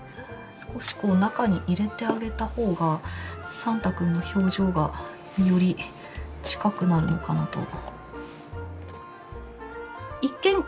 少しこう中に入れてあげた方がサンタ君の表情がより近くなるのかなと。